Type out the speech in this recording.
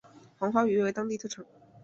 黄花鱼为当地特产。